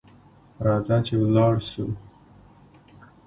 راځه چي ولاړ سو .